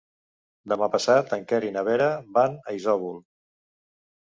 Demà passat en Quer i na Vera van a Isòvol.